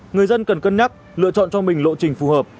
người dân cần cân nhắc lựa chọn cho mình lộ trình phù hợp